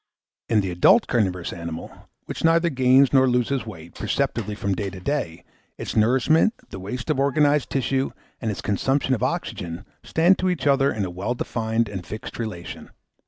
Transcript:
In an adult carnivorous animal, which neither gains nor loses weight, perceptibly, from day to day, its nourishment, the waste of organised tissue, and its consumption of oxygen, stand to each other in a well defined and fixed relation.